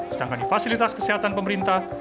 sedangkan di fasilitas kesehatan pemerintah